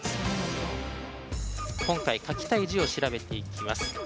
今回、書きたい字を調べていきます。